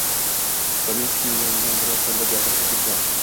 va men tushunmaydigan biror tilda gapira ketsa